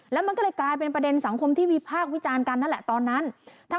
แล้วมันก็เลยกลายเป็นประเด็นสังคมที่วิพากษ์วิจารณ์กันนั่นแหละตอนนั้น